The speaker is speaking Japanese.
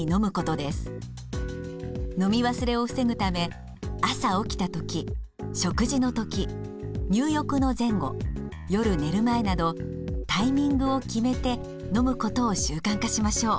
飲み忘れを防ぐため朝起きた時食事の時入浴の前後夜寝る前などタイミングを決めて飲むことを習慣化しましょう。